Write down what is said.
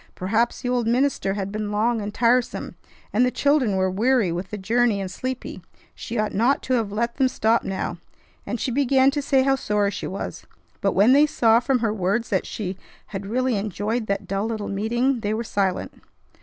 Perhaps the old minister had been long and tiresome, and the children were weary with the journey and sleepy; she ought not to have let them stop now; and she began to say how sorry she was. But, when they saw from her words that she had really enjoyed that dull little meeting, they were silent.